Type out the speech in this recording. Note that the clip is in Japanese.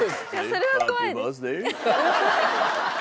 それは怖いです。